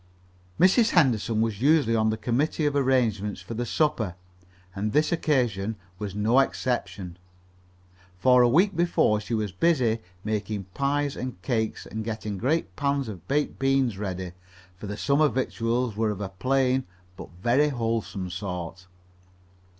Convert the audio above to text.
Mrs. Henderson was usually on the committee of arrangements for the supper, and this occasion was no exception. For a week before she was busy making pies and cakes and getting great pans of baked beans ready, for the supper victuals were of a plain but very wholesome sort.